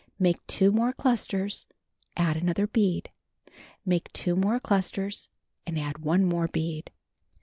Make 2 more clusters; add another bead. Make 2 more clusters, and add one more bead.